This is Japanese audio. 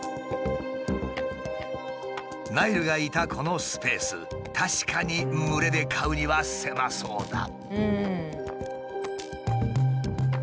ナイルがいたこのスペース確かに群れで飼うには狭そうだ。